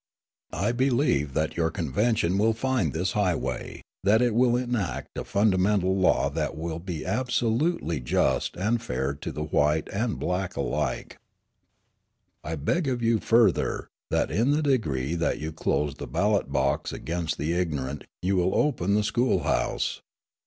I believe that your convention will find this highway, that it will enact a fundamental law that will be absolutely just and fair to white and black alike. "I beg of you, further, that in the degree that you close the ballot box against the ignorant you will open the school house.